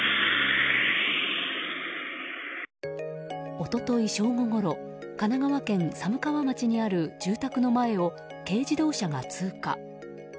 一昨日正午ごろ神奈川県寒川町にある住宅の前を軽自動車が通過。